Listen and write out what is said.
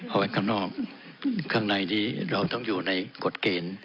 เอาไว้ข้างนอกข้างในนี้เราต้องอยู่ในกฎเกณฑ์